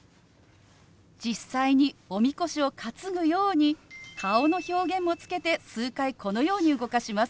実際におみこしを担ぐように顔の表現もつけて数回このように動かします。